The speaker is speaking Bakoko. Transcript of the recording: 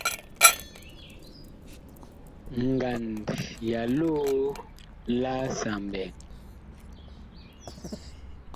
Ngand ya loo laasa mɓɛɛŋ.